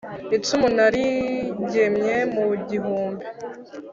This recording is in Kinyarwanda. Icumu narigemye mu gihumbi